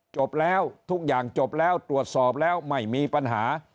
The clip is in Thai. จบแล้วทุกอย่างจบแล้วตรวจสอบแล้วไม่มีปัญหา